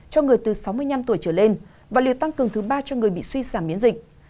cho người từ sáu mươi năm tuổi trở lên và liệu tăng cường thứ ba cho người bị suy giảm miễn dịch